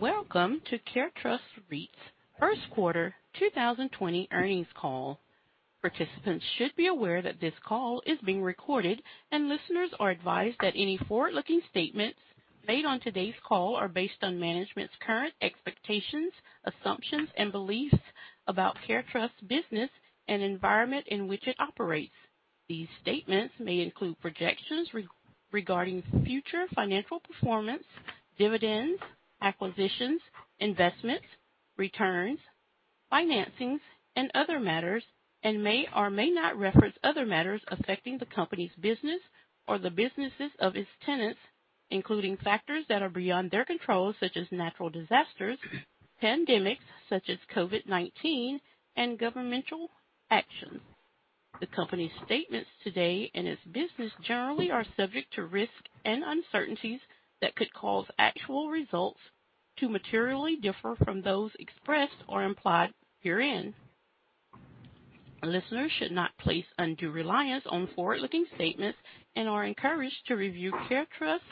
Welcome to CareTrust REIT's first quarter 2020 earnings call. Participants should be aware that this call is being recorded, and listeners are advised that any forward-looking statements made on today's call are based on management's current expectations, assumptions, and beliefs about CareTrust's business and environment in which it operates. These statements may include projections regarding future financial performance, dividends, acquisitions, investments, returns, financings, and other matters, and may or may not reference other matters affecting the company's business or the businesses of its tenants, including factors that are beyond their control, such as natural disasters, pandemics such as COVID-19, and governmental actions. The company's statements today and its business generally are subject to risks and uncertainties that could cause actual results to materially differ from those expressed or implied herein. Listeners should not place undue reliance on forward-looking statements and are encouraged to review CareTrust's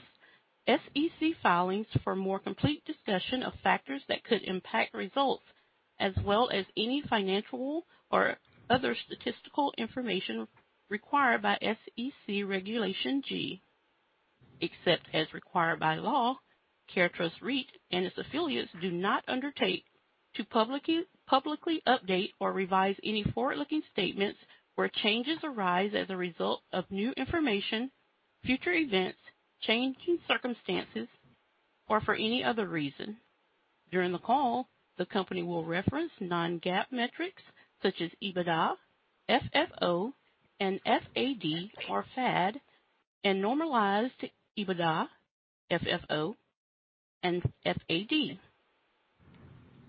SEC filings for a more complete discussion of factors that could impact results, as well as any financial or other statistical information required by SEC Regulation G. Except as required by law, CareTrust REIT and its affiliates do not undertake to publicly update or revise any forward-looking statements where changes arise as a result of new information, future events, changing circumstances, or for any other reason. During the call, the company will reference non-GAAP metrics such as EBITDA, FFO, and FAD, or FAD, and normalized EBITDA, FFO, and FAD.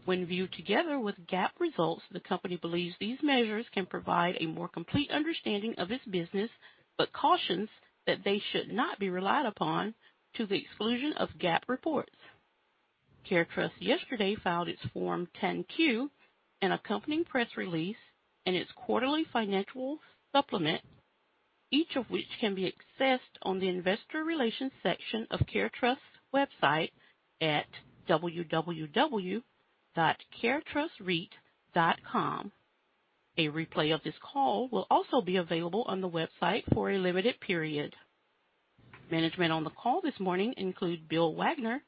When viewed together with GAAP results, the company believes these measures can provide a more complete understanding of its business but cautions that they should not be relied upon to the exclusion of GAAP reports. CareTrust yesterday filed its Form 10-Q and accompanying press release and its quarterly financial supplement, each of which can be accessed on the investor relations section of CareTrust's website at www.caretrustreit.com. A replay of this call will also be available on the website for a limited period. Management on the call this morning includes Bill Wagner,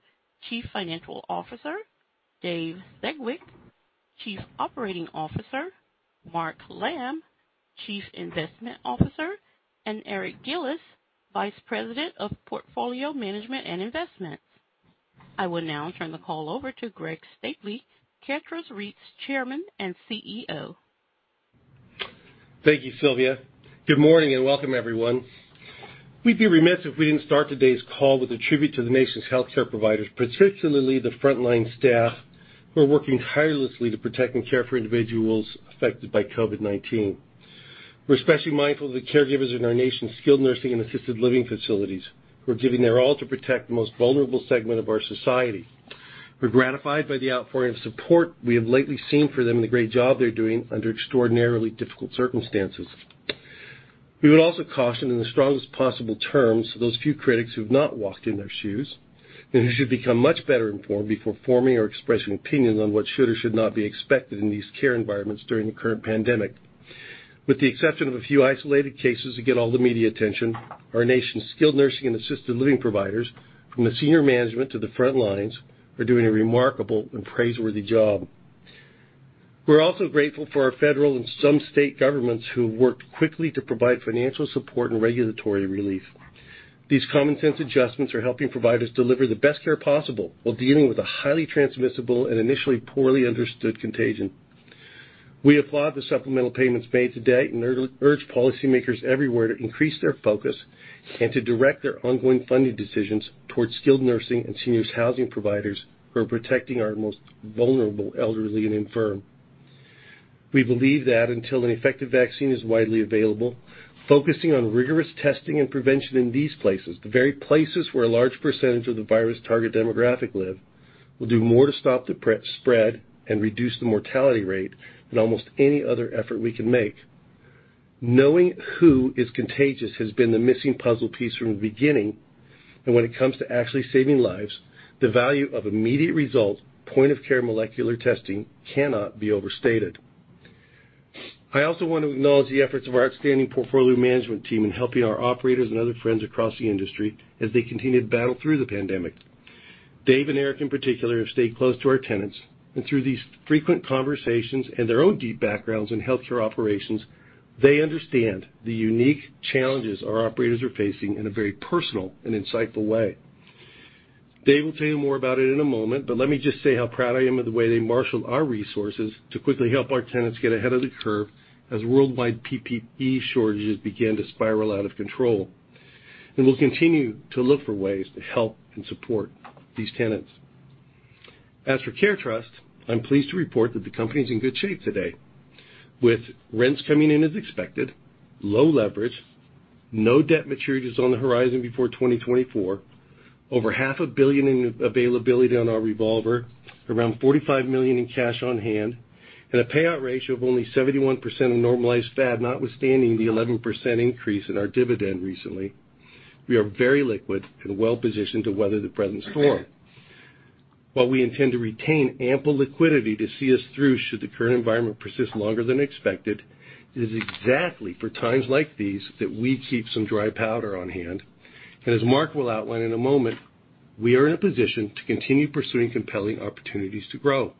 Chief Financial Officer, Dave Sedgwick, Chief Operating Officer, Mark Lamb, Chief Investment Officer, and Eric Gillis, Vice President of Portfolio Management and Investments. I will now turn the call over to Greg Stapley, CareTrust REIT's Chairman and CEO. Thank you, Sylvia. Good morning and welcome, everyone. We'd be remiss if we didn't start today's call with a tribute to the nation's healthcare providers, particularly the frontline staff who are working tirelessly to protect and care for individuals affected by COVID-19. We're especially mindful of the caregivers in our nation's skilled nursing and assisted living facilities who are giving their all to protect the most vulnerable segment of our society. We're gratified by the outpouring of support we have lately seen for them and the great job they're doing under extraordinarily difficult circumstances. We would also caution in the strongest possible terms to those few critics who've not walked in their shoes that they should become much better informed before forming or expressing opinions on what should or should not be expected in these care environments during the current pandemic. With the exception of a few isolated cases that get all the media attention, our nation's skilled nursing and assisted living providers, from the senior management to the front lines, are doing a remarkable and praiseworthy job. We're also grateful for our federal and some state governments who have worked quickly to provide financial support and regulatory relief. These common-sense adjustments are helping providers deliver the best care possible while dealing with a highly transmissible and initially poorly understood contagion. We applaud the supplemental payments made to date and urge policymakers everywhere to increase their focus and to direct their ongoing funding decisions towards skilled nursing and seniors housing providers who are protecting our most vulnerable elderly and infirm. We believe that until an effective vaccine is widely available, focusing on rigorous testing and prevention in these places, the very places where a large percentage of the virus' target demographic live, will do more to stop the spread and reduce the mortality rate than almost any other effort we can make. Knowing who is contagious has been the missing puzzle piece from the beginning. When it comes to actually saving lives, the value of immediate results, point-of-care molecular testing cannot be overstated. I also want to acknowledge the efforts of our outstanding portfolio management team in helping our operators and other friends across the industry as they continue to battle through the pandemic. Dave and Eric, in particular, have stayed close to our tenants, and through these frequent conversations and their own deep backgrounds in healthcare operations, they understand the unique challenges our operators are facing in a very personal and insightful way. Dave will tell you more about it in a moment, but let me just say how proud I am of the way they marshaled our resources to quickly help our tenants get ahead of the curve as worldwide PPE shortages began to spiral out of control, and we'll continue to look for ways to help and support these tenants. As for CareTrust, I'm pleased to report that the company's in good shape today. With rents coming in as expected, low leverage, no debt maturities on the horizon before 2024. Over $0.5 billion in availability on our revolver, around $45 million in cash on hand, and a payout ratio of only 71% of normalized FAD, notwithstanding the 11% increase in our dividend recently. We are very liquid and well-positioned to weather the present storm. While we intend to retain ample liquidity to see us through should the current environment persist longer than expected, it is exactly for times like these that we keep some dry powder on hand. As Mark will outline in a moment, we are in a position to continue pursuing compelling opportunities to grow.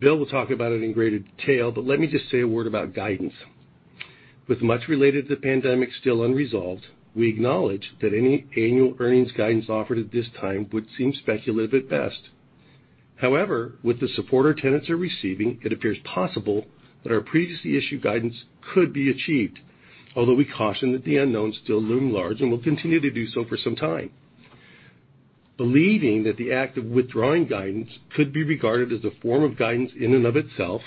Bill will talk about it in greater detail, but let me just say a word about guidance. With much related to the pandemic still unresolved, we acknowledge that any annual earnings guidance offered at this time would seem speculative at best. However, with the support our tenants are receiving, it appears possible that our previously issued guidance could be achieved, although we caution that the unknowns still loom large and will continue to do so for some time. Believing that the act of withdrawing guidance could be regarded as a form of guidance in and of itself,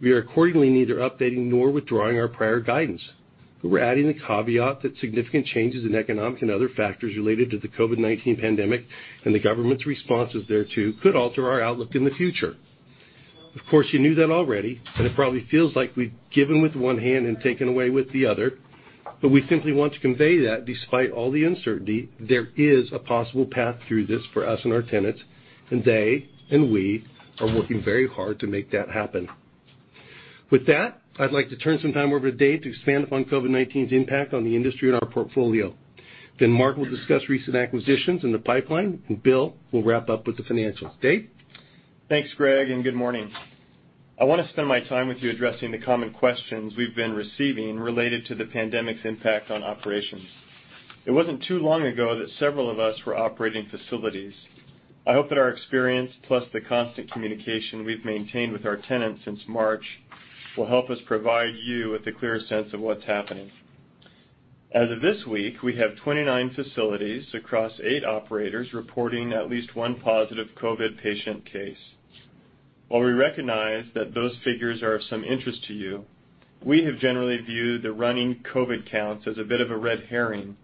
we are accordingly neither updating nor withdrawing our prior guidance. We're adding the caveat that significant changes in economic and other factors related to the COVID-19 pandemic and the government's responses thereto could alter our outlook in the future. Of course, you knew that already, and it probably feels like we've given with one hand and taken away with the other, but we simply want to convey that despite all the uncertainty, there is a possible path through this for us and our tenants, and they and we are working very hard to make that happen. With that, I'd like to turn some time over to Dave to expand upon COVID-19's impact on the industry and our portfolio. Mark will discuss recent acquisitions in the pipeline, and Bill will wrap up with the financials. Dave? Thanks, Greg, and good morning. I want to spend my time with you addressing the common questions we've been receiving related to the pandemic's impact on operations. It wasn't too long ago that several of us were operating facilities. I hope that our experience, plus the constant communication we've maintained with our tenants since March, will help us provide you with a clear sense of what's happening. As of this week, we have 29 facilities across eight operators reporting at least one positive COVID patient case. While we recognize that those figures are of some interest to you, we have generally viewed the running COVID counts as a bit of a red herring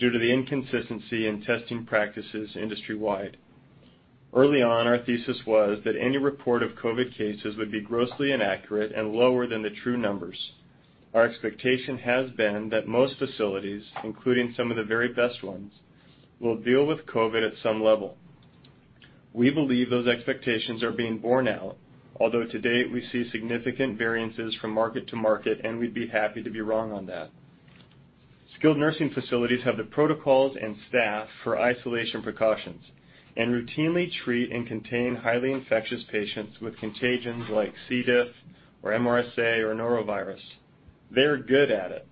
due to the inconsistency in testing practices industry-wide. Early on, our thesis was that any report of COVID cases would be grossly inaccurate and lower than the true numbers. Our expectation has been that most facilities, including some of the very best ones, will deal with COVID at some level. We believe those expectations are being borne out, although to date, we see significant variances from market to market. We'd be happy to be wrong on that. Skilled nursing facilities have the protocols and staff for isolation precautions and routinely treat and contain highly infectious patients with contagions like C. diff or MRSA or norovirus. They're good at it.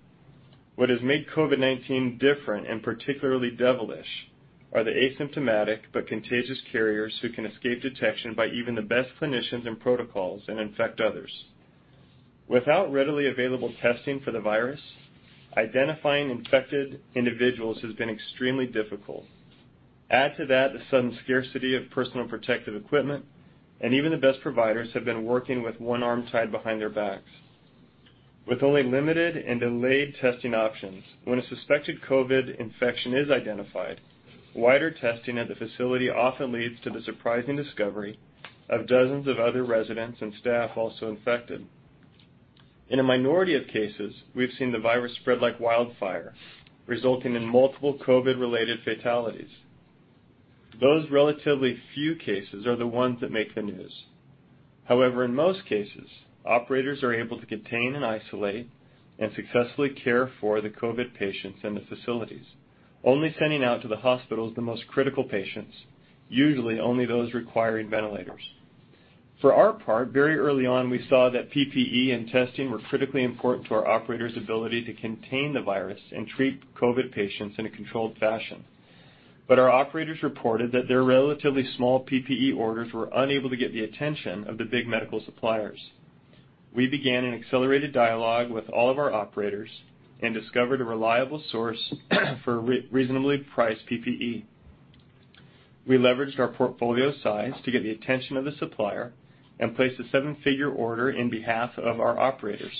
What has made COVID-19 different, and particularly devilish, are the asymptomatic but contagious carriers who can escape detection by even the best clinicians and protocols and infect others. Without readily available testing for the virus, identifying infected individuals has been extremely difficult. Add to that the sudden scarcity of personal protective equipment, and even the best providers have been working with one arm tied behind their backs. With only limited and delayed testing options, when a suspected COVID infection is identified, wider testing at the facility often leads to the surprising discovery of dozens of other residents and staff also infected. In a minority of cases, we've seen the virus spread like wildfire, resulting in multiple COVID-related fatalities. Those relatively few cases are the ones that make the news. In most cases, operators are able to contain and isolate and successfully care for the COVID patients in the facilities, only sending out to the hospitals the most critical patients, usually only those requiring ventilators. For our part, very early on, we saw that PPE and testing were critically important to our operators' ability to contain the virus and treat COVID patients in a controlled fashion. Our operators reported that their relatively small PPE orders were unable to get the attention of the big medical suppliers. We began an accelerated dialogue with all of our operators and discovered a reliable source for reasonably priced PPE. We leveraged our portfolio size to get the attention of the supplier and placed a seven-figure order in behalf of our operators.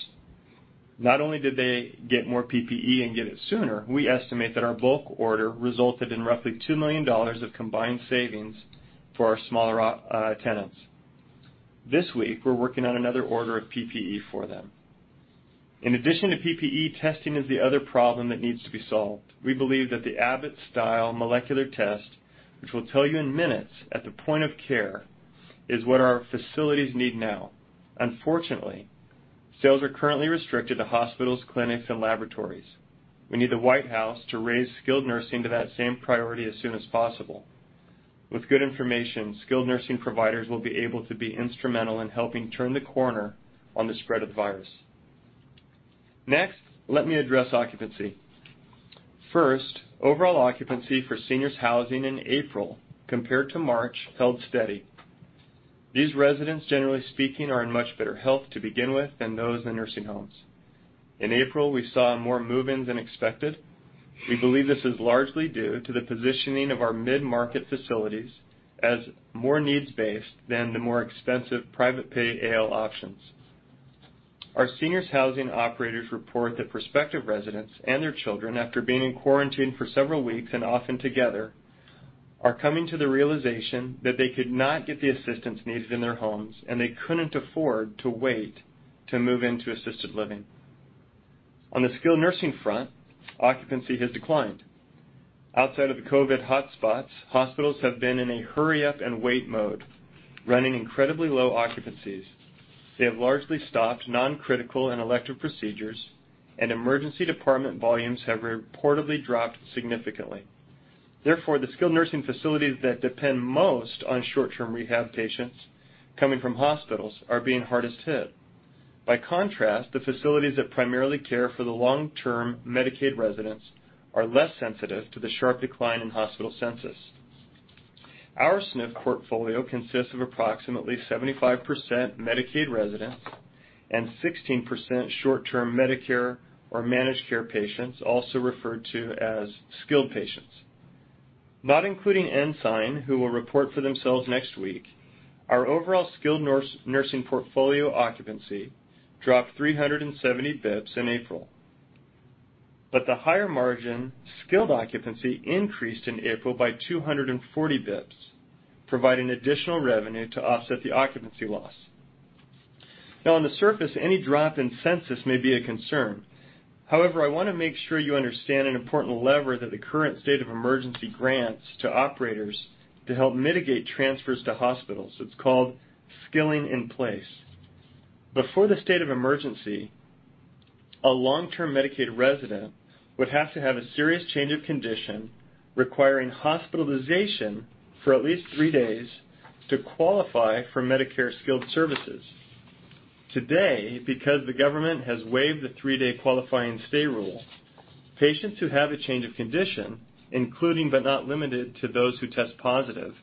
Not only did they get more PPE and get it sooner, we estimate that our bulk order resulted in roughly $2 million of combined savings for our smaller tenants. This week, we're working on another order of PPE for them. In addition to PPE, testing is the other problem that needs to be solved. We believe that the Abbott-style molecular test, which will tell you in minutes at the point-of-care, is what our facilities need now. Unfortunately, sales are currently restricted to hospitals, clinics, and laboratories. We need the White House to raise skilled nursing to that same priority as soon as possible. With good information, skilled nursing providers will be able to be instrumental in helping turn the corner on the spread of the virus. Let me address occupancy. Overall occupancy for seniors housing in April compared to March held steady. These residents, generally speaking, are in much better health to begin with than those in nursing homes. In April, we saw more move-ins than expected. We believe this is largely due to the positioning of our mid-market facilities as more needs-based than the more expensive private pay AL options. Our seniors housing operators report that prospective residents and their children, after being in quarantine for several weeks and often together, are coming to the realization that they could not get the assistance needed in their homes, and they couldn't afford to wait to move into assisted living. On the skilled nursing front, occupancy has declined. Outside of the COVID hotspots, hospitals have been in a hurry up and wait mode, running incredibly low occupancies. They have largely stopped non-critical and elective procedures, and emergency department volumes have reportedly dropped significantly. Therefore, the skilled nursing facilities that depend most on short-term rehab patients coming from hospitals are being hardest hit. By contrast, the facilities that primarily care for the long-term Medicaid residents are less sensitive to the sharp decline in hospital census. Our SNF portfolio consists of approximately 75% Medicaid residents and 16% short-term Medicare or managed care patients, also referred to as skilled patients. Not including Ensign, who will report for themselves next week, our overall skilled nursing portfolio occupancy dropped 370 basis points in April. The higher margin skilled occupancy increased in April by 240 basis points, providing additional revenue to offset the occupancy loss. On the surface, any drop in census may be a concern. I want to make sure you understand an important lever that the current state of emergency grants to operators to help mitigate transfers to hospitals. It's called skilling in place. Before the state of emergency, a long-term Medicaid resident would have to have a serious change of condition requiring hospitalization for at least three days to qualify for Medicare skilled services. Today, because the government has waived the three-day qualifying stay rule, patients who have a change of condition, including but not limited to those who test positive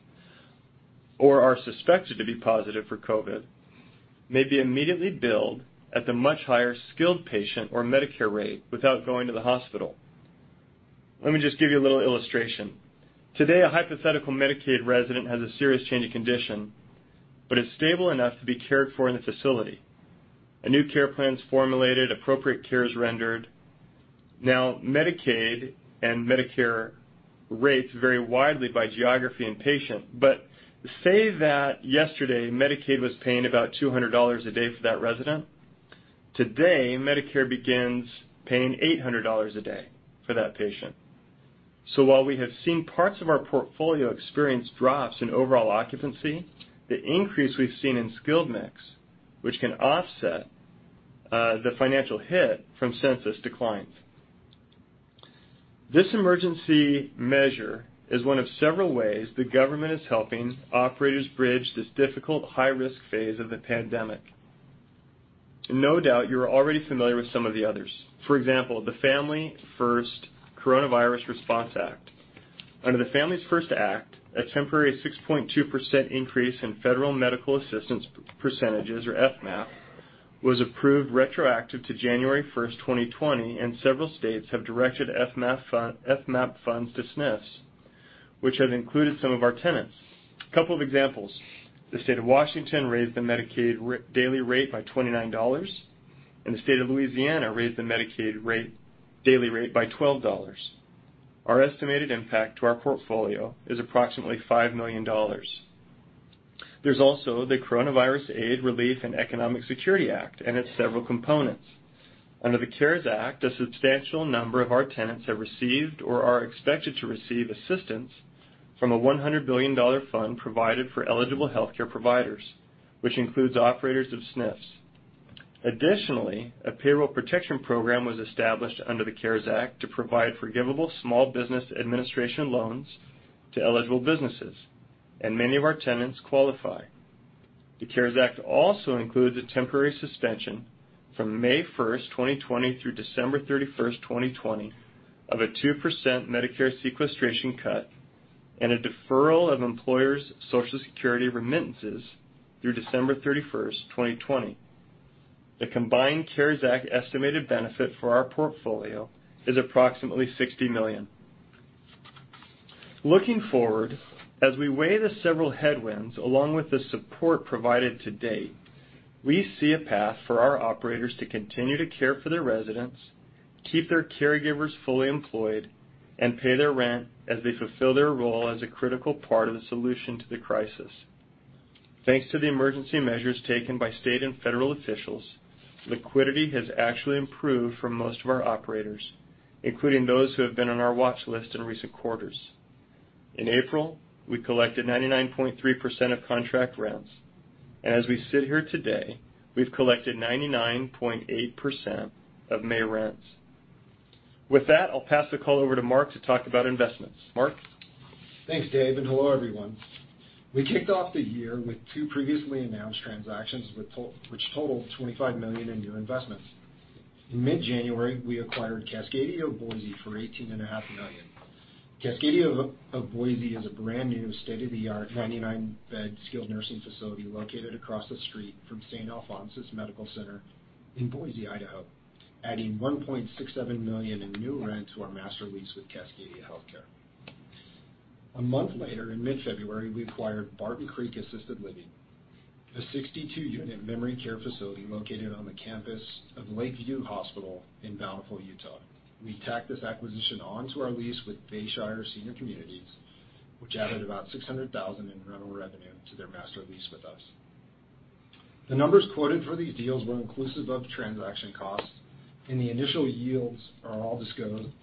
or are suspected to be positive for COVID, may be immediately billed at the much higher skilled patient or Medicare rate without going to the hospital. Let me just give you a little illustration. Today, a hypothetical Medicaid resident has a serious change of condition, but is stable enough to be cared for in the facility. A new care plan is formulated, appropriate care is rendered. Medicaid and Medicare rates vary widely by geography and patient, but say that yesterday Medicaid was paying about $200 a day for that resident. Today, Medicare begins paying $800 a day for that patient. While we have seen parts of our portfolio experience drops in overall occupancy, the increase we've seen in skilled mix, which can offset the financial hit from census declines. This emergency measure is one of several ways the government is helping operators bridge this difficult, high-risk phase of the pandemic. No doubt you are already familiar with some of the others. For example, the Families First Coronavirus Response Act. Under the Family First Act, a temporary 6.2% increase in Federal Medical Assistance Percentages, or FMAP, was approved retroactive to January 1st, 2020, and several states have directed FMAP funds to SNFs, which has included some of our tenants. A couple of examples. The State of Washington raised the Medicaid daily rate by $29, and the State of Louisiana raised the Medicaid daily rate by $12. Our estimated impact to our portfolio is approximately $5 million. There's also the Coronavirus Aid, Relief, and Economic Security Act and its several components. Under the CARES Act, a substantial number of our tenants have received or are expected to receive assistance from a $100 billion fund provided for eligible healthcare providers, which includes operators of SNFs. Additionally, a Paycheck Protection Program was established under the CARES Act to provide forgivable Small Business Administration loans to eligible businesses, and many of our tenants qualify. The CARES Act also includes a temporary suspension from May 1st, 2020 through December 31st, 2020 of a 2% Medicare sequestration cut and a deferral of employers' Social Security remittances through December 31st, 2020. The combined CARES Act estimated benefit for our portfolio is approximately $60 million. Looking forward, as we weigh the several headwinds along with the support provided to date, we see a path for our operators to continue to care for their residents, keep their caregivers fully employed, and pay their rent as they fulfill their role as a critical part of the solution to the crisis. Thanks to the emergency measures taken by state and federal officials, liquidity has actually improved for most of our operators, including those who have been on our watch list in recent quarters. In April, we collected 99.3% of contract rents. As we sit here today, we've collected 99.8% of May rents. With that, I'll pass the call over to Mark to talk about investments. Mark? Thanks, Dave, hello, everyone. We kicked off the year with two previously announced transactions which totaled $25 million in new investments. In mid-January, we acquired Cascadia of Boise for $18.5 million. Cascadia of Boise is a brand-new state-of-the-art 99-bed skilled nursing facility located across the street from Saint Alphonsus Medical Center in Boise, Idaho, adding $1.67 million in new rent to our master lease with Cascadia Healthcare. A month later, in mid-February, we acquired Barton Creek Assisted Living, a 62-unit memory care facility located on the campus of Lakeview Hospital in Bountiful, Utah. We tacked this acquisition onto our lease with Bayshire Senior Communities, which added about $600,000 in rental revenue to their master lease with us. The numbers quoted for these deals were inclusive of transaction costs, and the initial yields are all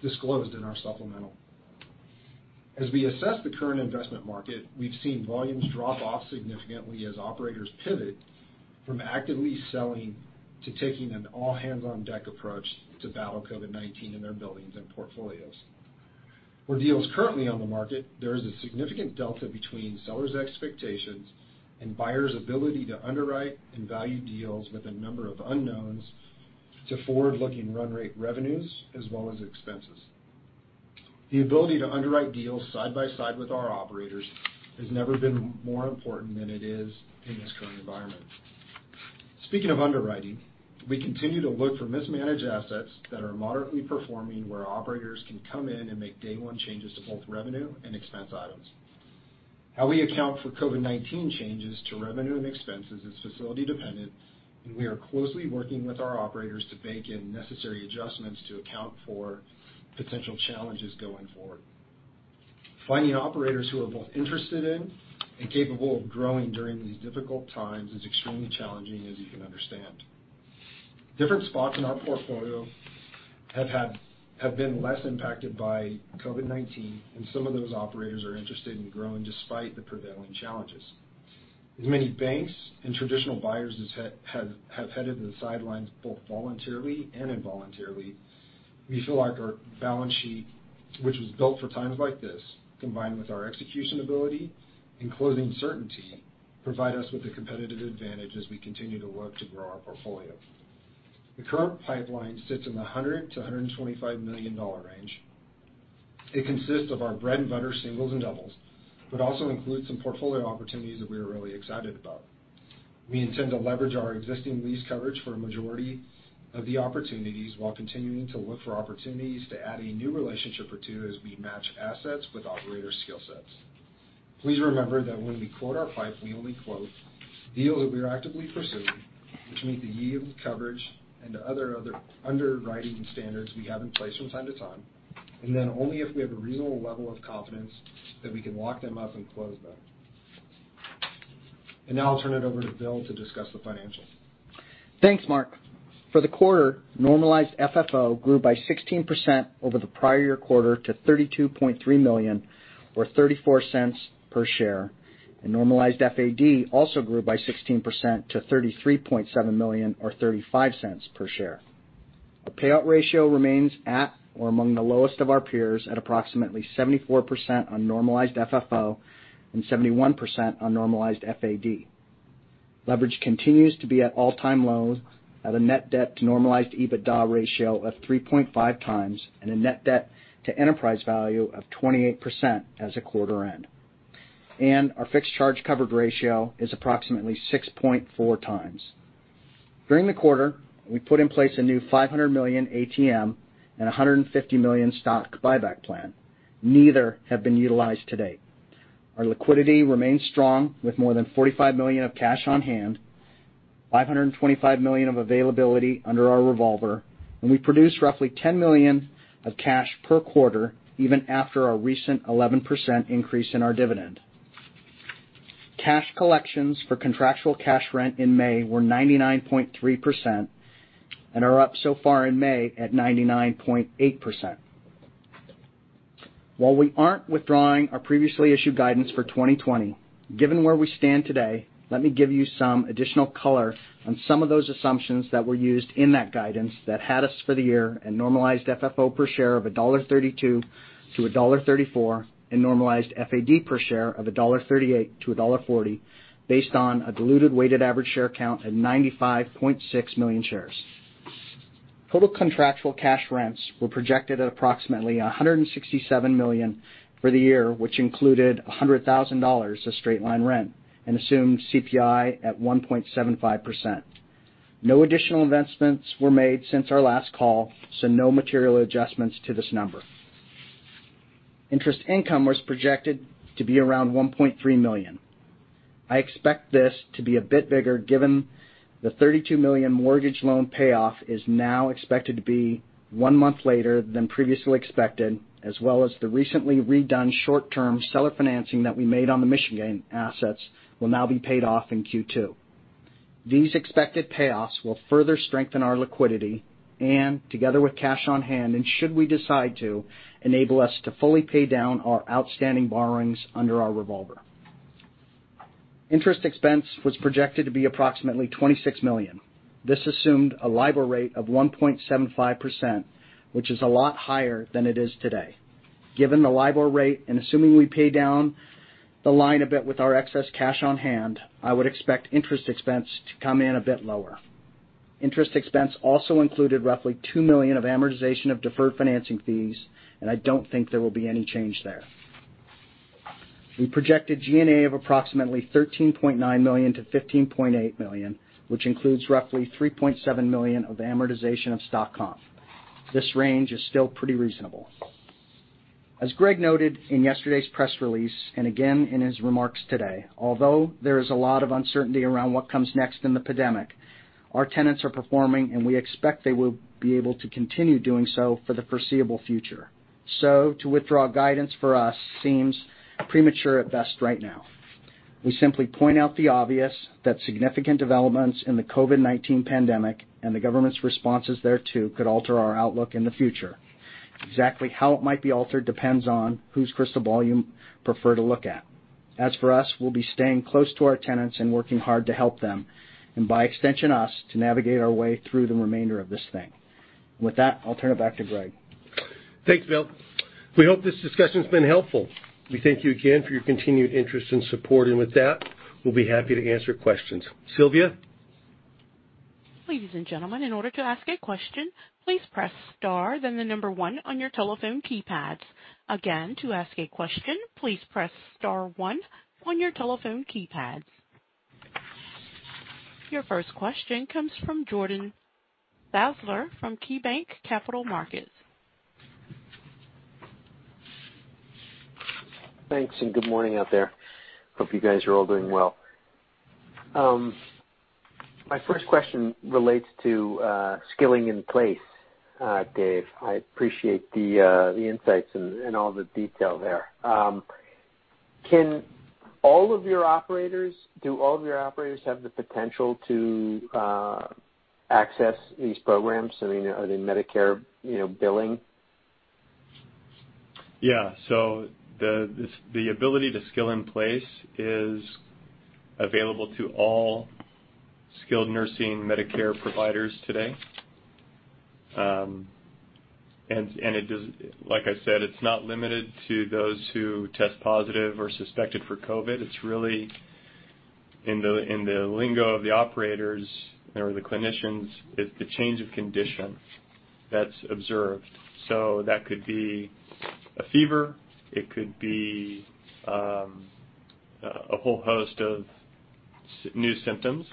disclosed in our supplemental. As we assess the current investment market, we've seen volumes drop off significantly as operators pivot from actively selling to taking an all-hands-on-deck approach to battle COVID-19 in their buildings and portfolios. For deals currently on the market, there is a significant delta between sellers' expectations and buyers' ability to underwrite and value deals with a number of unknowns to forward-looking run rate revenues as well as expenses. The ability to underwrite deals side by side with our operators has never been more important than it is in this current environment. Speaking of underwriting, we continue to look for mismanaged assets that are moderately performing where operators can come in and make day one changes to both revenue and expense items. How we account for COVID-19 changes to revenue and expenses is facility dependent, and we are closely working with our operators to bake in necessary adjustments to account for potential challenges going forward. Finding operators who are both interested in and capable of growing during these difficult times is extremely challenging, as you can understand. Different spots in our portfolio have been less impacted by COVID-19, and some of those operators are interested in growing despite the prevailing challenges. As many banks and traditional buyers have headed to the sidelines both voluntarily and involuntarily, we feel like our balance sheet, which was built for times like this, combined with our execution ability and closing certainty, provide us with a competitive advantage as we continue to work to grow our portfolio. The current pipeline sits in the $100 million-$125 million range. It consists of our bread and butter singles and doubles, but also includes some portfolio opportunities that we are really excited about. We intend to leverage our existing lease coverage for a majority of the opportunities while continuing to look for opportunities to add a new relationship or two as we match assets with operator skill sets. Please remember that when we quote our pipe, we only quote deals that we are actively pursuing, which meet the yield coverage and other underwriting standards we have in place from time to time, and then only if we have a reasonable level of confidence that we can lock them up and close them. Now I'll turn it over to Bill to discuss the financials. Thanks, Mark. For the quarter, normalized FFO grew by 16% over the prior year quarter to $32.3 million or $0.34 per share, and normalized FAD also grew by 16% to $33.7 million or $0.35 per share. Our payout ratio remains at or among the lowest of our peers at approximately 74% on normalized FFO and 71% on normalized FAD. Leverage continues to be at all-time lows at a net debt to normalized EBITDA ratio of 3.5x and a net debt to enterprise value of 28% as of quarter end. Our fixed charge covered ratio is approximately 6.4x. During the quarter, we put in place a new $500 million ATM and $150 million stock buyback plan. Neither have been utilized to date. Our liquidity remains strong with more than $45 million of cash on hand, $525 million of availability under our revolver, and we produce roughly $10 million of cash per quarter, even after our recent 11% increase in our dividend. Cash collections for contractual cash rent in May were 99.3% and are up so far in May at 99.8%. While we aren't withdrawing our previously issued guidance for 2020, given where we stand today, let me give you some additional color on some of those assumptions that were used in that guidance that had us for the year a normalized FFO per share of $1.32-$1.34 and normalized FAD per share of $1.38-$1.40 based on a diluted weighted average share count at 95.6 million shares. Total contractual cash rents were projected at approximately $167 million for the year, which included $100,000 of straight line rent and assumed CPI at 1.75%. No additional investments were made since our last call, so no material adjustments to this number. Interest income was projected to be around $1.3 million. I expect this to be a bit bigger given the $32 million mortgage loan payoff is now expected to be one month later than previously expected, as well as the recently redone short-term seller financing that we made on the Michigan assets will now be paid off in Q2. These expected payoffs will further strengthen our liquidity and together with cash on hand, and should we decide to, enable us to fully pay down our outstanding borrowings under our revolver. Interest expense was projected to be approximately $26 million. This assumed a LIBOR rate of 1.75%, which is a lot higher than it is today. Given the LIBOR rate and assuming we pay down the line a bit with our excess cash on hand, I would expect interest expense to come in a bit lower. Interest expense also included roughly $2 million of amortization of deferred financing fees, and I don't think there will be any change there. We projected G&A of approximately $13.9 million-$15.8 million, which includes roughly $3.7 million of amortization of stock comp. This range is still pretty reasonable. As Greg noted in yesterday's press release, and again in his remarks today, although there is a lot of uncertainty around what comes next in the pandemic, our tenants are performing and we expect they will be able to continue doing so for the foreseeable future. To withdraw guidance for us seems premature at best right now. We simply point out the obvious, that significant developments in the COVID-19 pandemic and the government's responses thereto could alter our outlook in the future. Exactly how it might be altered depends on whose crystal ball you prefer to look at. As for us, we'll be staying close to our tenants and working hard to help them, and by extension us, to navigate our way through the remainder of this thing. With that, I'll turn it back to Greg. Thanks, Bill. We hope this discussion's been helpful. We thank you again for your continued interest and support, and with that, we'll be happy to answer questions. Sylvia? Ladies and gentlemen, in order to ask a question, please press star then the number one on your telephone keypads. Again, to ask a question, please press star one on your telephone keypads. Your first question comes from Jordan Sadler from KeyBanc Capital Markets. Thanks. Good morning out there. Hope you guys are all doing well. My first question relates to skilling in place. Dave, I appreciate the insights and all the detail there. Do all of your operators have the potential to access these programs? Are they Medicare billing? Yeah. The ability to skill in place is available to all skilled nursing Medicare providers today. Like I said, it's not limited to those who test positive or suspected for COVID. It's really in the lingo of the operators or the clinicians, it's a change of condition that's observed. That could be a fever, it could be a whole host of new symptoms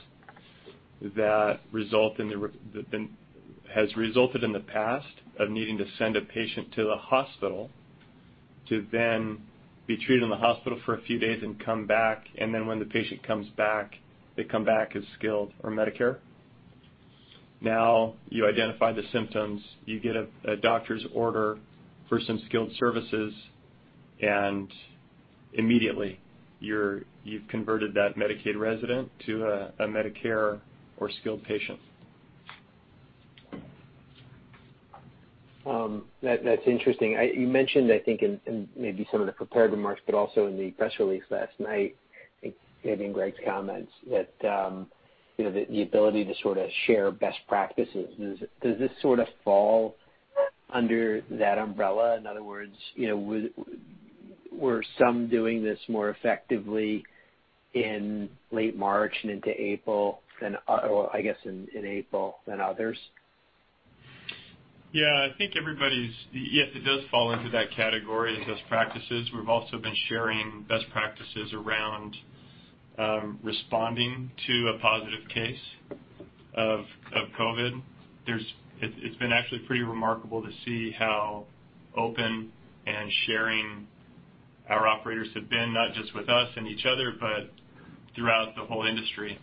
that has resulted in the past of needing to send a patient to the hospital to then be treated in the hospital for a few days and come back, and then when the patient comes back, they come back as skilled or Medicare. Now you identify the symptoms, you get a doctor's order for some skilled services, and immediately you've converted that Medicaid resident to a Medicare or skilled patient. That's interesting. You mentioned, I think, in maybe some of the prepared remarks, but also in the press release last night, maybe in Greg's comments, that the ability to sort of share best practices. Does this sort of fall under that umbrella? In other words, were some doing this more effectively in late March and into April than, or I guess in April than others? Yeah, it does fall into that category as best practices. We've also been sharing best practices around responding to a positive case of COVID. It's been actually pretty remarkable to see how open and sharing our operators have been, not just with us and each other, but throughout the whole industry.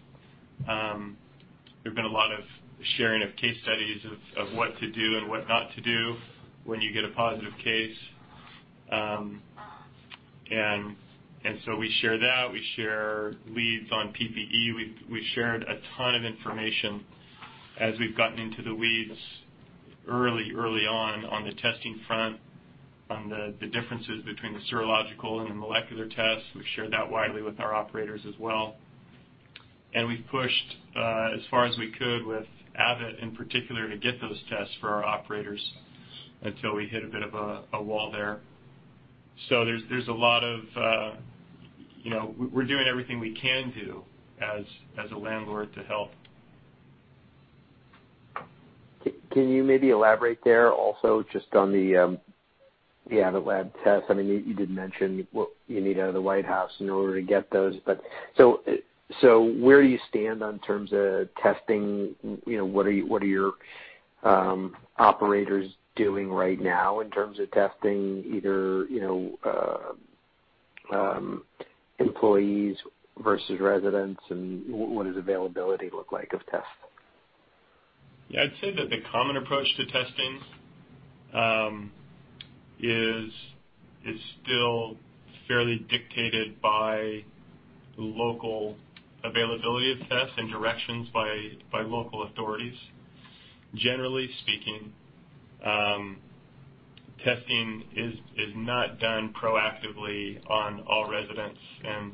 There's been a lot of sharing of case studies of what to do and what not to do when you get a positive case. We share that. We share leads on PPE. We shared a ton of information as we've gotten into the weeds early on the testing front, on the differences between the serological and the molecular tests. We've shared that widely with our operators as well. We've pushed, as far as we could with Abbott in particular, to get those tests for our operators until we hit a bit of a wall there. We're doing everything we can do as a landlord to help. Can you maybe elaborate there also just on the Abbott lab test? You did mention what you need out of the White House in order to get those, but so where do you stand in terms of testing? What are your operators doing right now in terms of testing, either employees versus residents, and what does availability look like of tests? Yeah, I'd say that the common approach to testing is still fairly dictated by local availability of tests and directions by local authorities. Generally speaking, testing is not done proactively on all residents and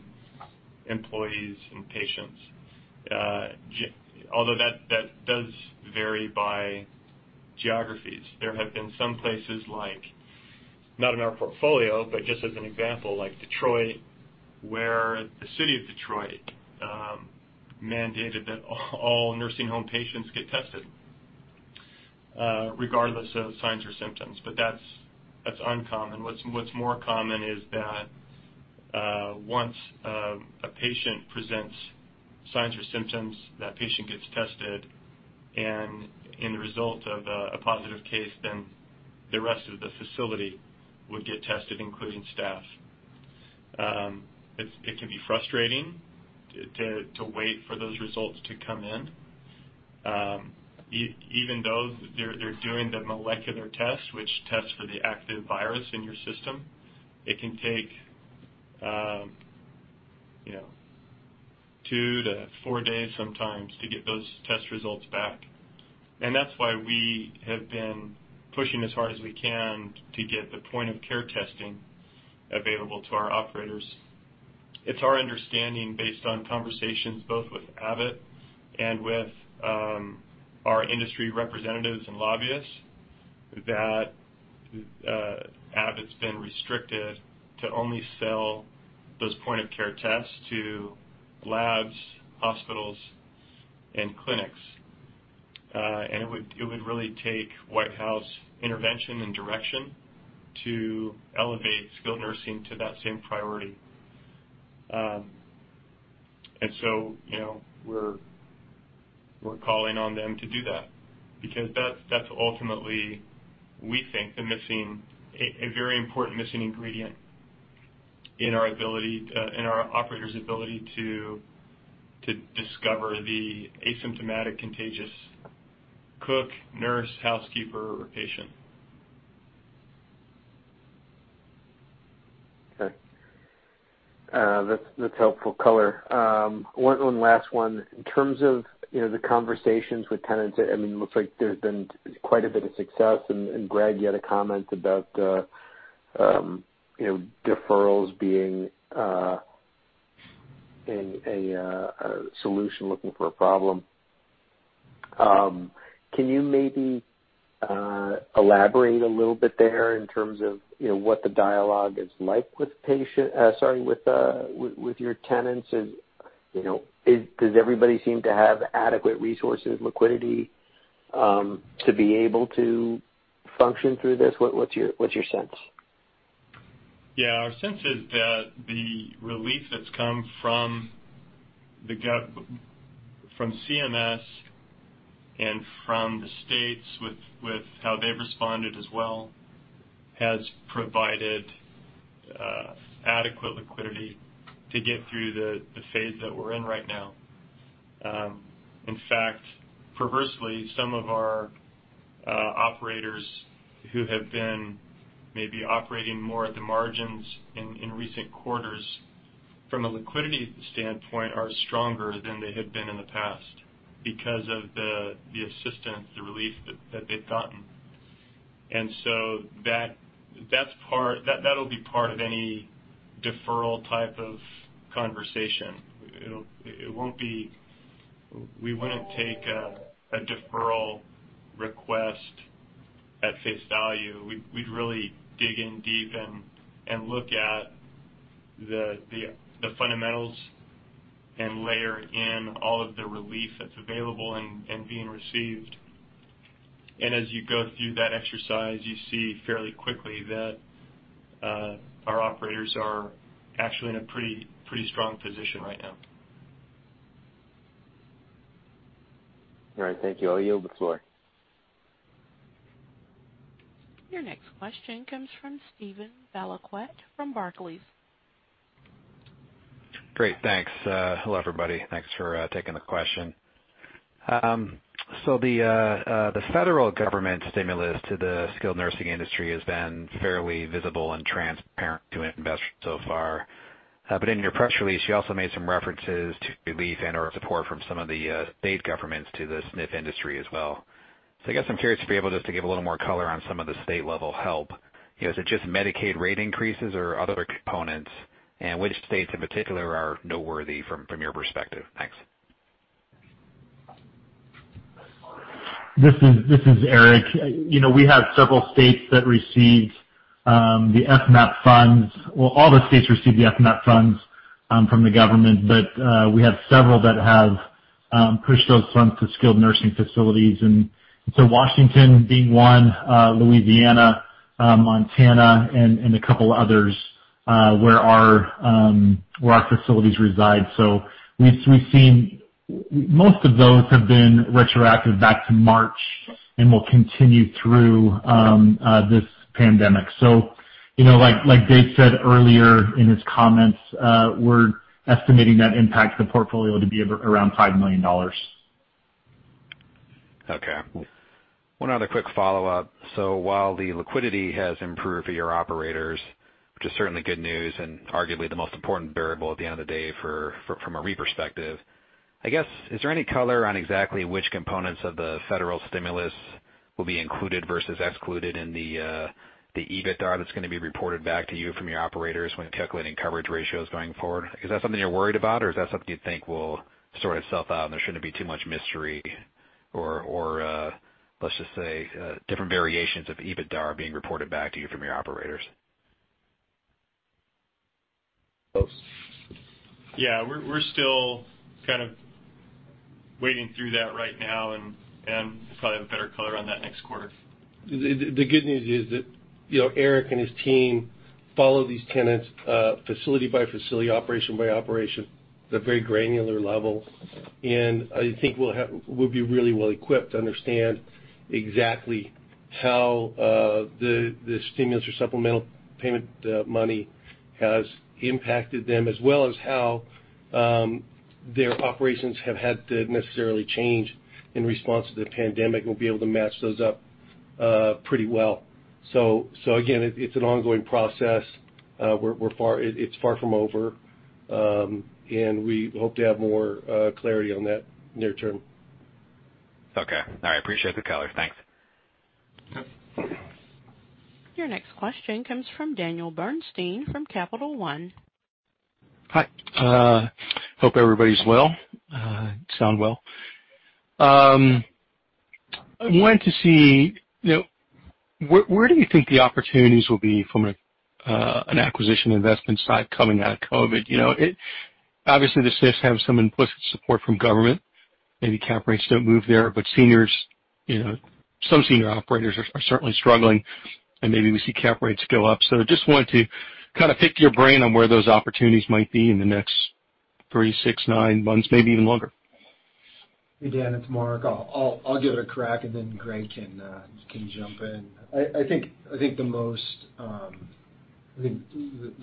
employees and patients. Although that does vary by geographies. There have been some places like, not in our portfolio, but just as an example, like Detroit, where the City of Detroit mandated that all nursing home patients get tested regardless of signs or symptoms, but that's uncommon. What's more common is that once a patient presents signs or symptoms, that patient gets tested, and in the result of a positive case, then the rest of the facility would get tested, including staff. It can be frustrating to wait for those results to come in. Even those, they're doing the molecular test, which tests for the active virus in your system. It can take two to four days sometimes to get those test results back. That's why we have been pushing as hard as we can to get the point-of-care testing available to our operators. It's our understanding based on conversations both with Abbott and with our industry representatives and lobbyists, that Abbott's been restricted to only sell those point-of-care tests to labs, hospitals, and clinics. It would really take White House intervention and direction to elevate skilled nursing to that same priority. We're calling on them to do that because that's ultimately, we think, a very important missing ingredient in our operator's ability to discover the asymptomatic contagious cook, nurse, housekeeper, or patient. Okay. That's helpful color. One last one. In terms of the conversations with tenants, it looks like there's been quite a bit of success and, Greg, you had a comment about deferrals being a solution looking for a problem. Can you maybe elaborate a little bit there in terms of what the dialogue is like with your tenants? Does everybody seem to have adequate resources, liquidity, to be able to function through this? What's your sense? Yeah, our sense is that the relief that's come from CMS and from the states with how they've responded as well, has provided adequate liquidity to get through the phase that we're in right now. In fact, perversely, some of our operators who have been maybe operating more at the margins in recent quarters from a liquidity standpoint, are stronger than they had been in the past because of the assistance, the relief that they've gotten. That'll be part of any deferral type of conversation. We wouldn't take a deferral request at face value. We'd really dig in deep and look at the fundamentals and layer in all of the relief that's available and being received. As you go through that exercise, you see fairly quickly that our operators are actually in a pretty strong position right now. All right, thank you. I yield the floor. Your next question comes from Steven Valiquette from Barclays. Great. Thanks. Hello, everybody. Thanks for taking the question. The federal government stimulus to the skilled nursing industry has been fairly visible and transparent to investors so far. In your press release, you also made some references to relief and/or support from some of the state governments to the SNF industry as well. I guess I'm curious if you'd be able just to give a little more color on some of the state-level help. Is it just Medicaid rate increases or other components? Which states in particular are noteworthy from your perspective? Thanks. This is Eric. We have several states that received the FMAP funds. Well, all the states received the FMAP funds from the government, but we have several that have pushed those funds to skilled nursing facilities. Washington being one, Louisiana, Montana, and a couple others, where our facilities reside. We've seen most of those have been retroactive back to March and will continue through this pandemic. Like Dave said earlier in his comments, we're estimating that impacts the portfolio to be around $5 million. Okay. One other quick follow-up. While the liquidity has improved for your operators, which is certainly good news and arguably the most important variable at the end of the day from a REIT perspective, I guess, is there any color on exactly which components of the federal stimulus will be included versus excluded in the EBITDA that's going to be reported back to you from your operators when calculating coverage ratios going forward? Is that something you're worried about, or is that something you think will sort itself out and there shouldn't be too much mystery, or let's just say, different variations of EBITDA being reported back to you from your operators? Yeah, we're still wading through that right now and just thought I'd have better color on that next quarter. The good news is that Eric and his team follow these tenants facility by facility, operation by operation at a very granular level. I think we'll be really well equipped to understand exactly how the stimulus or supplemental payment money has impacted them, as well as how their operations have had to necessarily change in response to the pandemic. We'll be able to match those up pretty well. Again, it's an ongoing process. It's far from over. And we hope to have more clarity on that near term. Okay. All right. Appreciate the color. Thanks. Yeah. Your next question comes from Daniel Bernstein from Capital One. Hi. Hope everybody's well. Sound well. I wanted to see, where do you think the opportunities will be from an acquisition investment side coming out of COVID? Obviously, the SNFs have some implicit support from government. Maybe cap rates don't move there, but some senior operators are certainly struggling, and maybe we see cap rates go up. Just wanted to kind of pick your brain on where those opportunities might be in the next three, six, nine months, maybe even longer. Hey, Dan, it's Mark. I'll give it a crack, and then Greg can jump in. I think the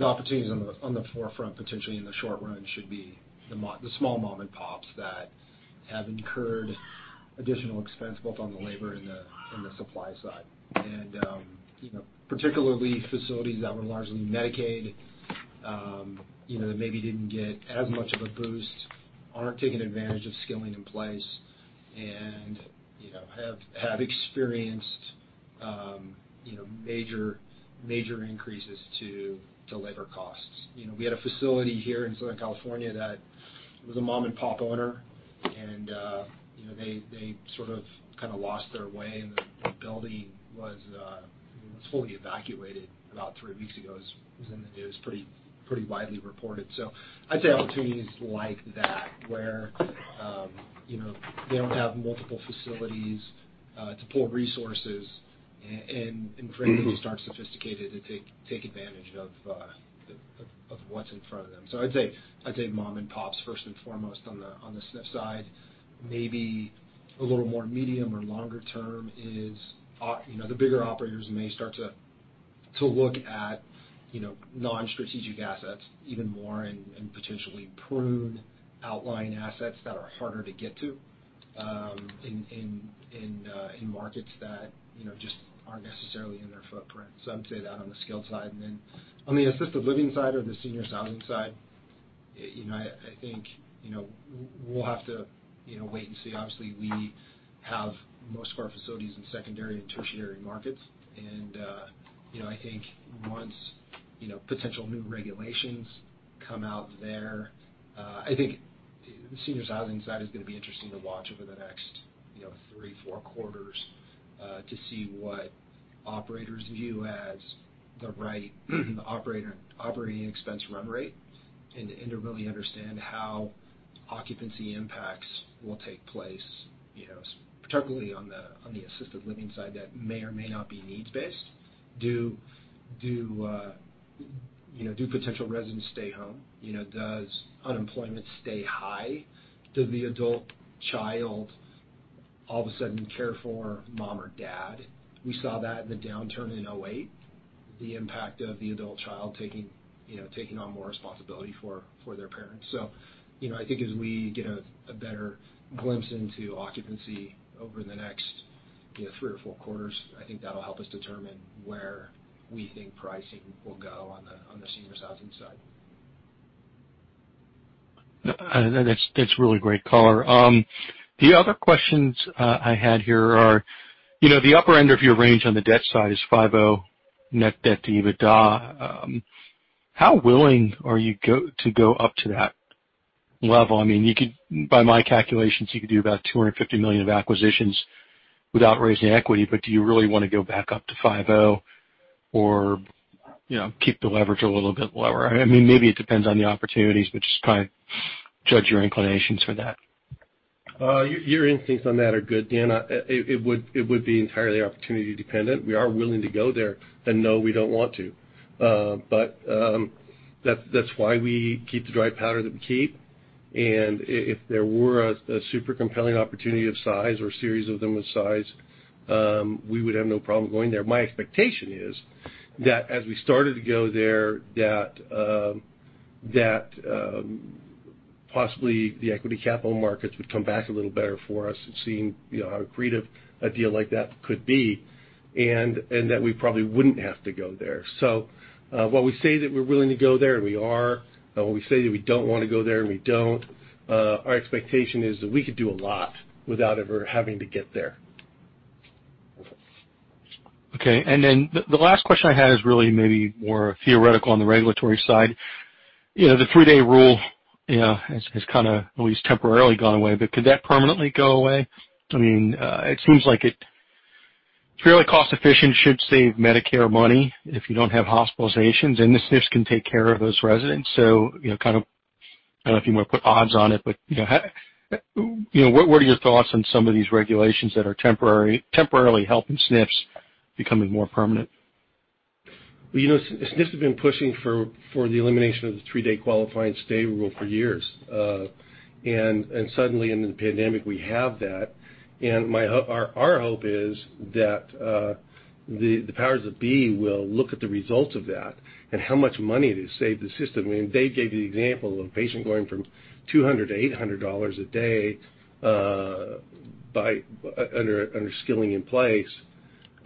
opportunities on the forefront, potentially in the short run, should be the small mom and pops that have incurred additional expense both on the labor and the supply side. Particularly facilities that were largely Medicaid, that maybe didn't get as much of a boost, aren't taking advantage of skilling in place and have experienced major increases to labor costs. We had a facility here in Southern California that was a mom-and-pop owner, and they sort of lost their way, and the building was fully evacuated about three weeks ago. It was in the news, pretty widely reported. I'd say opportunities like that, where they don't have multiple facilities to pull resources and frankly, just aren't sophisticated to take advantage of what's in front of them. I'd say mom and pops first and foremost on the SNF side. Maybe a little more medium or longer term is the bigger operators may start to look at non-strategic assets even more and potentially prune outlying assets that are harder to get to in markets that just aren't necessarily in their footprint. I'd say that on the skilled side. On the assisted living side or the senior housing side, I think we'll have to wait and see. Obviously, we have most of our facilities in secondary and tertiary markets. I think once potential new regulations come out there, I think the senior housing side is going to be interesting to watch over the next three, four quarters to see what operators view as the right operating expense run rate and to really understand how occupancy impacts will take place, particularly on the assisted living side that may or may not be needs-based. Do potential residents stay home? Does unemployment stay high? Did the adult child all of a sudden care for mom or dad? We saw that in the downturn in 2008, the impact of the adult child taking on more responsibility for their parents. I think as we get a better glimpse into occupancy over the next three or four quarters, I think that'll help us determine where we think pricing will go on the senior housing side. That's really great color. The other questions I had here are, the upper end of your range on the debt side is 5.0 net debt to EBITDA. How willing are you to go up to that level? By my calculations, you could do about $250 million of acquisitions without raising equity. Do you really want to go back up to 5.0, or keep the leverage a little bit lower? Maybe it depends on the opportunities, just trying to judge your inclinations for that. Your instincts on that are good, Dan. It would be entirely opportunity dependent. We are willing to go there, no, we don't want to. That's why we keep the dry powder that we keep, and if there were a super compelling opportunity of size or series of them with size, we would have no problem going there. My expectation is that as we started to go there, that possibly the equity capital markets would come back a little better for us, seeing how accretive a deal like that could be, and that we probably wouldn't have to go there. While we say that we're willing to go there, and we are, and when we say that we don't want to go there, and we don't, our expectation is that we could do a lot without ever having to get there. Okay. The last question I had is really maybe more theoretical on the regulatory side. The three-day rule has kind of at least temporarily gone away. Could that permanently go away? It's fairly cost efficient, should save Medicare money if you don't have hospitalizations, and the SNFs can take care of those residents. I don't know if you want to put odds on it, but what are your thoughts on some of these regulations that are temporarily helping SNFs becoming more permanent? Well, SNFs have been pushing for the elimination of the three-day qualifying stay rule for years. Suddenly in the pandemic, we have that. Our hope is that the powers that be will look at the results of that and how much money it has saved the system. I mean, they gave the example of a patient going from $200 to $800 a day under skilling in place.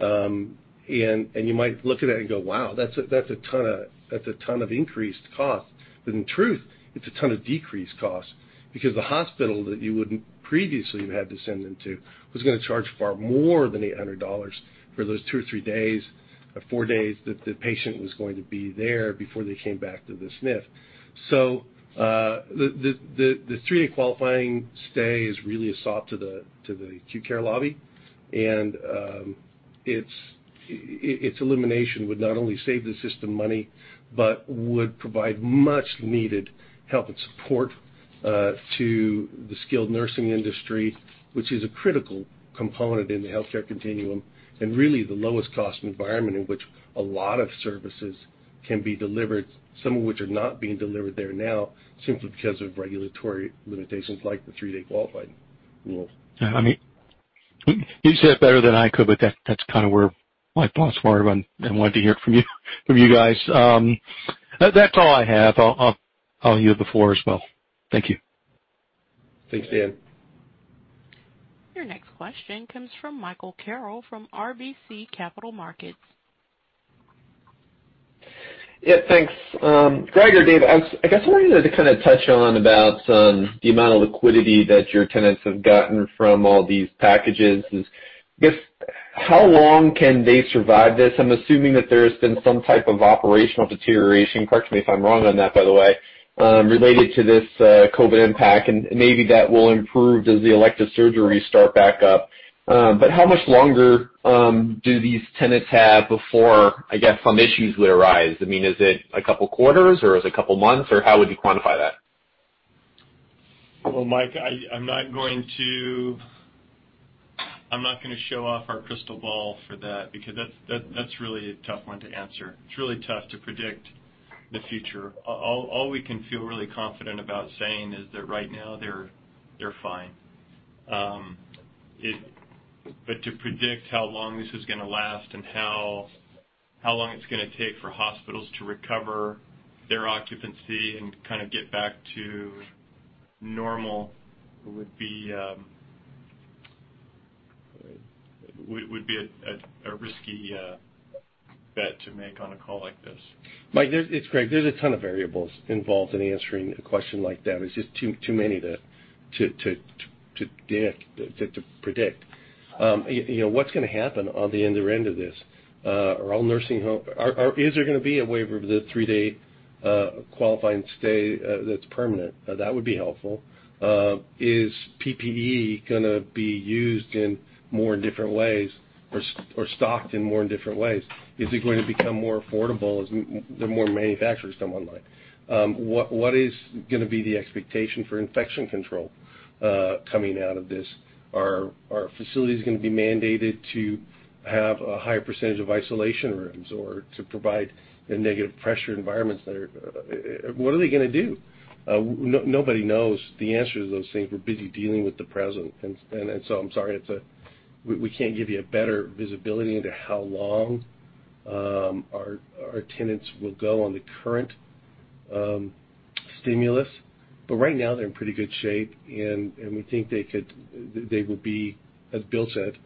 You might look at that and go, "Wow, that's a ton of increased cost." In truth, it's a ton of decreased cost because the hospital that you wouldn't previously have had to send them to was going to charge far more than $800 for those two or three days, or four days that the patient was going to be there before they came back to the SNF. The three-day qualifying stay is really a sop to the acute care lobby. Its elimination would not only save the system money, but would provide much needed help and support to the skilled nursing industry, which is a critical component in the healthcare continuum, and really the lowest cost environment in which a lot of services can be delivered, some of which are not being delivered there now simply because of regulatory limitations like the three-day qualifying rule. Yeah. I mean, you said it better than I could, but that's kind of where my thoughts were, but I wanted to hear it from you guys. That's all I have. I'll yield the floor as well. Thank you. Thanks, Dan. Your next question comes from Michael Carroll from RBC Capital Markets. Yeah. Thanks. Greg or Dave, I guess I wanted you to kind of touch on about the amount of liquidity that your tenants have gotten from all these packages is, I guess, how long can they survive this? I'm assuming that there has been some type of operational deterioration, correct me if I'm wrong on that, by the way, related to this COVID impact, and maybe that will improve as the elective surgeries start back up. How much longer do these tenants have before, I guess, some issues would arise? I mean, is it a couple of quarters or is it a couple of months or how would you quantify that? Well, Mike, I'm not going to show off our crystal ball for that because that's really a tough one to answer. It's really tough to predict the future. All we can feel really confident about saying is that right now they're fine. To predict how long this is gonna last and how long it's gonna take for hospitals to recover their occupancy and kind of get back to normal would be a risky bet to make on a call like this. Mike, it's Greg. There's a ton of variables involved in answering a question like that. It's just too many to predict. What's gonna happen on the other end of this? Is there gonna be a waiver of the three-day qualifying stay that's permanent? That would be helpful. Is PPE gonna be used in more different ways or stocked in more different ways? Is it going to become more affordable as the more manufacturers come online? What is gonna be the expectation for infection control coming out of this? Are facilities gonna be mandated to have a higher percentage of isolation rooms or to provide the negative pressure environments? What are they gonna do? Nobody knows the answer to those things. We're busy dealing with the present. I'm sorry, we can't give you a better visibility into how long our tenants will go on the current stimulus. Right now they're in pretty good shape, and we think they will be, as Bill said,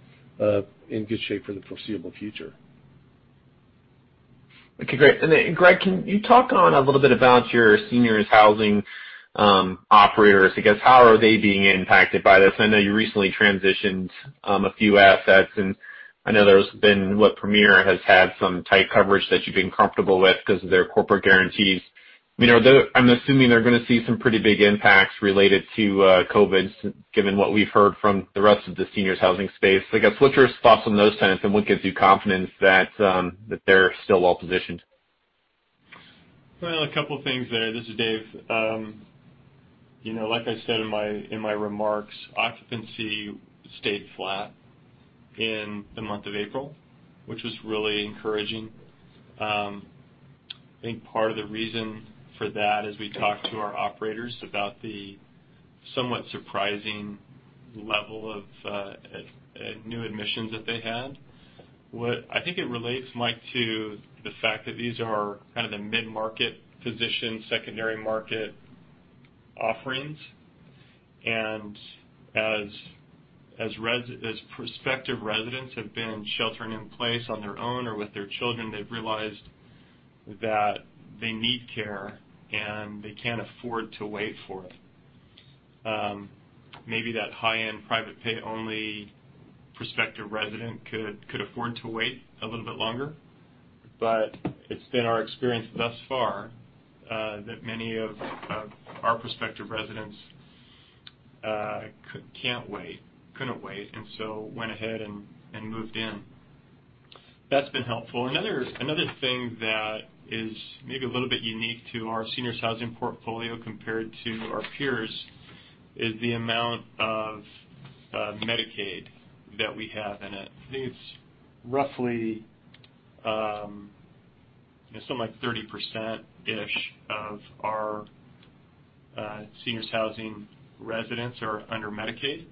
in good shape for the foreseeable future. Okay, great. Greg, can you talk on a little bit about your seniors housing operators, I guess, how are they being impacted by this? I know you recently transitioned a few assets, and I know there's been Premier has had some tight coverage that you've been comfortable with because of their corporate guarantees. I'm assuming they're going to see some pretty big impacts related to COVID, given what we've heard from the rest of the seniors housing space. I guess, what's your thoughts on those tenants, and what gives you confidence that they're still well-positioned? Well, a couple of things there. This is Dave. Like I said in my remarks, occupancy stayed flat in the month of April, which was really encouraging. I think part of the reason for that is we talked to our operators about the somewhat surprising level of new admissions that they had. I think it relates, Mike, to the fact that these are kind of the mid-market position, secondary market offerings. As prospective residents have been sheltering in place on their own or with their children, they've realized that they need care, and they can't afford to wait for it. Maybe that high-end private pay-only prospective resident could afford to wait a little bit longer, it's been our experience thus far, that many of our prospective residents can't wait. Couldn't wait, went ahead and moved in. That's been helpful. Another thing that is maybe a little bit unique to our seniors housing portfolio compared to our peers is the amount of Medicaid that we have in it. I think it's roughly something like 30%-ish of our seniors housing residents are under Medicaid.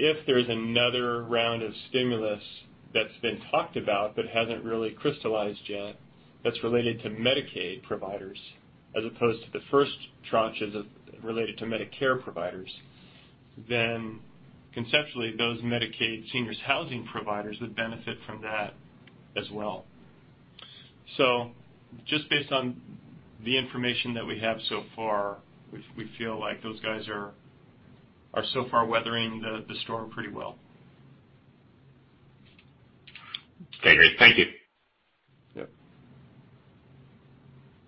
If there's another round of stimulus that's been talked about but hasn't really crystallized yet, that's related to Medicaid providers as opposed to the first tranches related to Medicare providers, then conceptually, those Medicaid seniors housing providers would benefit from that as well. Just based on the information that we have so far, we feel like those guys are so far weathering the storm pretty well. Okay, great. Thank you. Yep.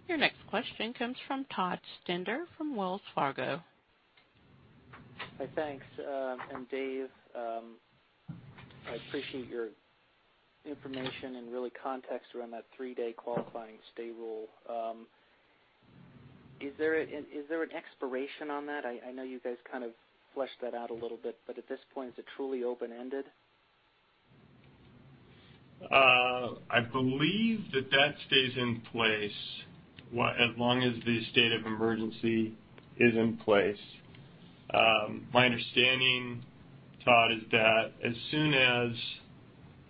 Your next question comes from Todd Stender from Wells Fargo. Hi, thanks. Dave, I appreciate your information and really context around that three-day qualifying stay rule. Is there an expiration on that? I know you guys kind of fleshed that out a little bit, but at this point, is it truly open-ended? I believe that that stays in place as long as the state of emergency is in place. My understanding, Todd, is that as soon as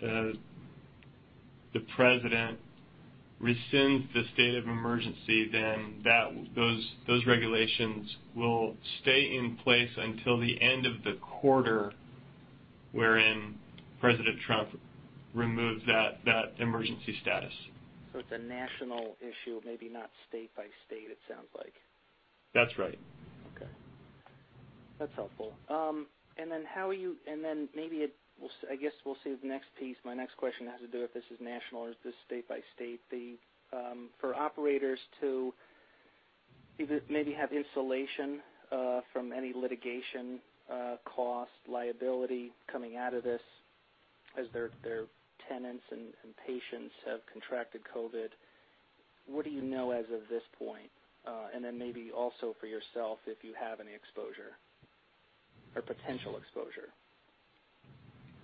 the President rescinds the state of emergency, then those regulations will stay in place until the end of the quarter wherein Donald Trump removes that emergency status. It's a national issue, maybe not state by state, it sounds like. That's right. Okay. That's helpful. Maybe, I guess we'll see with next piece. My next question has to do if this is national or is this state by state. For operators to maybe have insulation from any litigation, cost, liability coming out of this as their tenants and patients have contracted COVID, what do you know as of this point? Maybe also for yourself, if you have any exposure or potential exposure.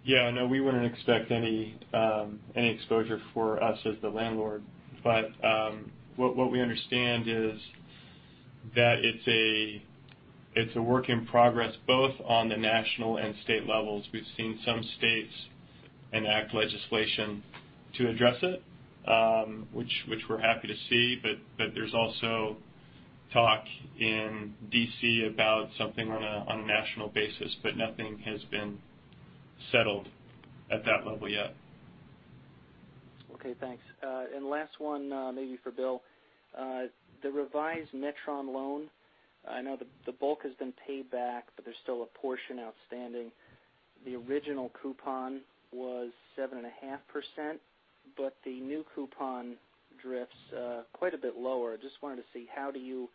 Yeah, no, we wouldn't expect any exposure for us as the landlord. What we understand is that it's a work in progress, both on the national and state levels. We've seen some states enact legislation to address it, which we're happy to see. There's also talk in D.C. about something on a national basis, but nothing has been settled at that level yet. Okay, thanks. Last one, maybe for Bill. The revised Metron loan, I know the bulk has been paid back, there's still a portion outstanding. The original coupon was 7.5%, the new coupon drifts quite a bit lower. Just wanted to see, how do you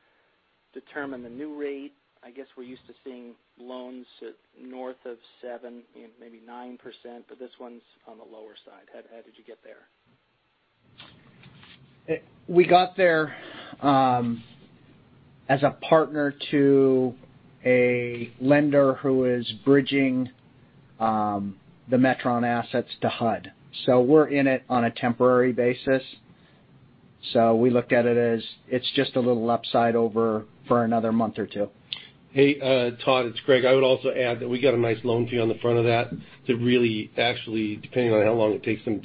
determine the new rate? I guess we're used to seeing loans north of 7%, maybe 9%, this one's on the lower side. How did you get there? We got there as a partner to a lender who is bridging the Metron assets to HUD. We're in it on a temporary basis. We looked at it as, it's just a little upside over for another month or two. Hey, Todd, it's Greg. I would also add that we got a nice loan fee on the front of that to really, actually, depending on how long it takes them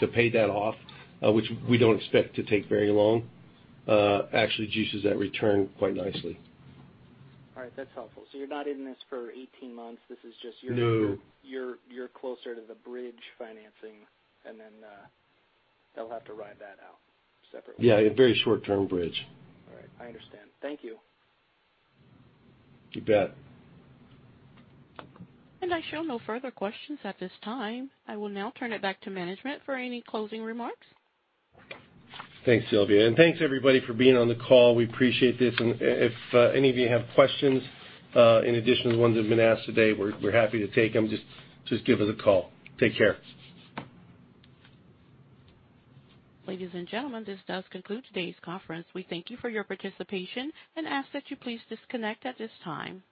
to pay that off, which we don't expect to take very long, actually juices that return quite nicely. All right. That's helpful. You're not in this for 18 months. This is just- No you're closer to the bridge financing, and then they'll have to ride that out separately. Yeah, a very short-term bridge. All right. I understand. Thank you. You bet. I show no further questions at this time. I will now turn it back to management for any closing remarks. Thanks, Sylvia. Thanks, everybody, for being on the call. We appreciate this. If any of you have questions in addition to the ones that have been asked today, we're happy to take them. Just give us a call. Take care. Ladies and gentlemen, this does conclude today's conference. We thank you for your participation and ask that you please disconnect at this time.